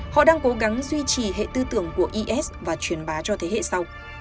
họ đang cố gắng duy trì hệ tư tưởng của is và truyền bá cho thế hệ sau